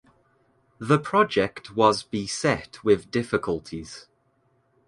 The project was beset with difficulties.